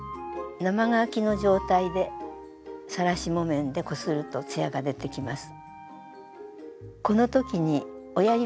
生乾きの状態でさらし木綿でこするとツヤがでてきます。